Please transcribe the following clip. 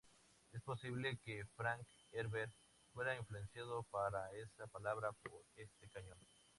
Es posible que Frank Herbert fuera influenciado para esa palabra por este cañón.